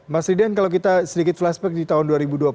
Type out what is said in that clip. mas ridan kalau kita sedikit flashback di tahun dua ribu dua puluh